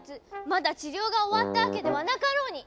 まだ治療が終わったわけではなかろうに！